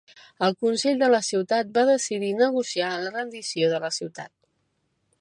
El consell de la ciutat va decidir negociar la rendició de la ciutat.